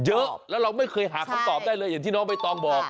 เยอะแล้วเราไม่เคยหาคำตอบได้เลยอย่างที่น้องใบตองบอก